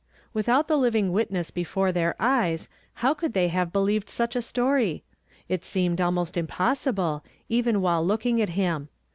Without the living witness before their eyes, how could they have believed such a story? It seemed almost impossible, even while looking at him.